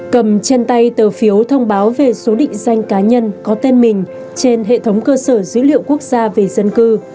cầm trên tay tờ phiếu thông báo về số định danh cá nhân có tên mình trên hệ thống cơ sở dữ liệu quốc gia về dân cư